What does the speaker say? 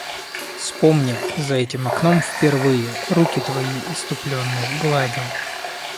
Вспомни — за этим окном впервые руки твои, исступленный, гладил.